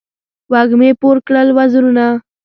وږمې پور کړل وزرونه